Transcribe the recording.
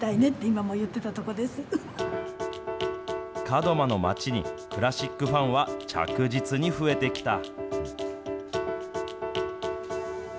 門真の街にクラシックファンは、着実に増えてきた。